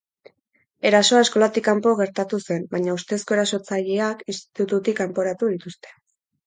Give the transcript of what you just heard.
Erasoa eskolatik kanpo gertatu zen, baina ustezko erasotzaileak institututik kanporatu dituzte.